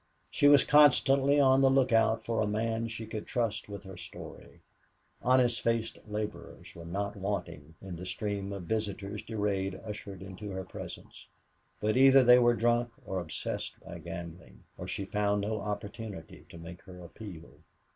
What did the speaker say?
She was constantly on the lookout for a man she could trust with her story. Honest faced laborers were not wanting in the stream of visitors Durade ushered into her presence, but either they were drunk or obsessed by gambling, or she found no opportunity to make her appeal.